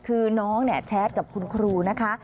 คือน้องแชทกับคุณครูนะคะ